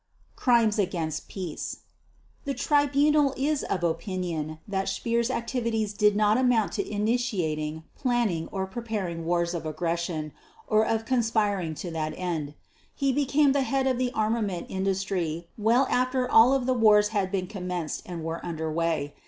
Crimes against Peace The Tribunal is of opinion that Speer's activities do not amount to initiating, planning, or preparing wars of aggression, or of conspiring to that end. He became the head of the armament industry well after all of the wars had been commenced and were under way.